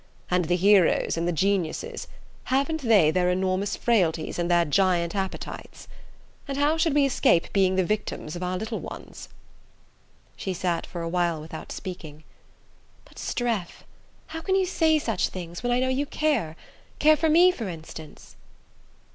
And the heroes and the geniuses haven't they their enormous frailties and their giant appetites? And how should we escape being the victims of our little ones?" She sat for a while without speaking. "But, Streff, how can you say such things, when I know you care: care for me, for instance!"